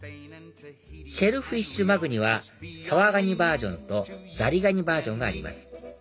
シェルフィッシュマグにはサワガニバージョンとザリガニバージョンがあります